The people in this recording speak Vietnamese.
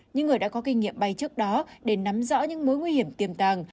những người đã có kinh nghiệm bay trước đó để nắm rõ những mối nguy hiểm tiềm tàng